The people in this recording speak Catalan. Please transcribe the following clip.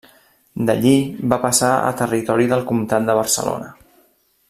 D'allí va passar a territori del comtat de Barcelona.